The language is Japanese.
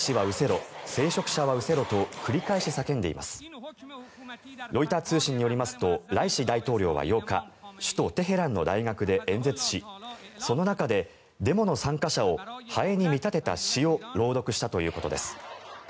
ロイター通信によりますとライシ大統領は８日首都テヘランの大学で演説しその中でデモの参加者をハエに見立てた詩を朗読したということです。